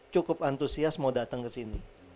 cukup antusias mau datang ke sini